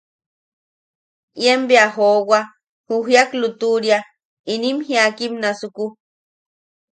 Inien bea joowa ju jiak lutuʼuria inim jiakim nasuku.